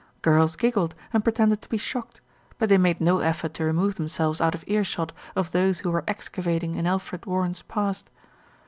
Girls giggled and pretended to be shocked; but they made no effort to remove themselves out of earshot of those who were excavating in Alfred Warren's past.